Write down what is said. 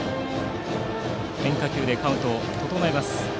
変化球でカウントを整えます。